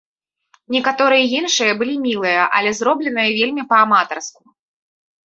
Некаторыя іншыя былі мілыя, але зробленыя вельмі па-аматарску.